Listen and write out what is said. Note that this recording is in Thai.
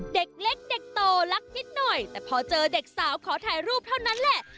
เด็กเล็กเด็กโตรักนิดหน่อยแต่พอเจอเด็กสาวขอถ่ายรูปเท่านั้นแหละ